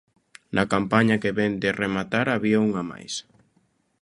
Na campaña que vén de rematar había unha máis.